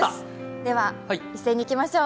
では一斉にいきましょう。